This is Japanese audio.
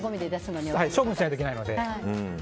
処分しないといけないので。